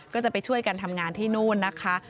ก็จะไปช่วยกันทำงานที่นู่นนะคะ